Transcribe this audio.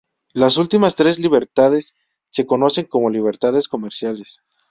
Las últimas tres libertades, se conocen como libertades comerciales.